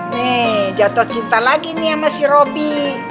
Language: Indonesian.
nih jatuh cinta lagi nih sama si robby